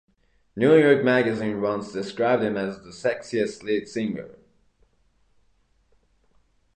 "New York magazine" once described him as the "Sexiest Lead Singer.